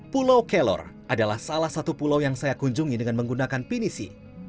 pulau kelor adalah salah satu pulau yang saya kunjungi dengan menggunakan pinisi